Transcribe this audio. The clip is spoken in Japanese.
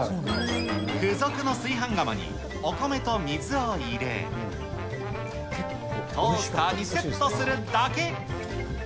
付属の炊飯釜にお米と水を入れ、トースターにセットするだけ。